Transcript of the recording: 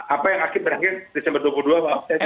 apa yang berakhir desember dua ribu dua puluh dua apa